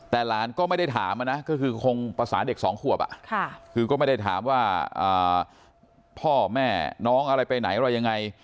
แต่หลานก็ไม่ได้ถามนะก็คือคงภาษาเด็กสองขวบคือก็ไม่ได้ถามว่าพ่อแม่น้องอะไรไปไหนอะไรยังไง